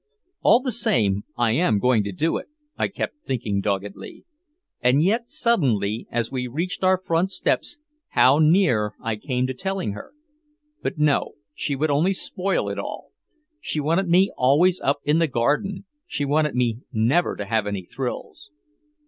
"All the same I am going to do it," I kept thinking doggedly. And yet suddenly, as we reached our front steps, how near I came to telling her. But no, she would only spoil it all. She wanted me always up in the garden, she wanted me never to have any thrills.